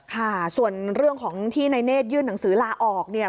ค่ะส่วนเรื่องของที่นายเนธยื่นหนังสือลาออกเนี่ย